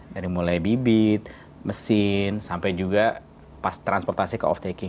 dari mulai bibit mesin sampai juga pas transportasi ke off taking